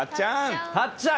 たっちゃん。